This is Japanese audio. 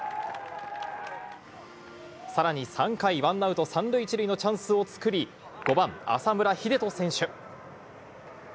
さらに３回、１アウト３塁１塁のチャンスを作り、５番浅村栄斗選手。